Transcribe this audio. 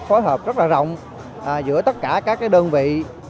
phối hợp rất là rộng giữa tất cả các đơn vị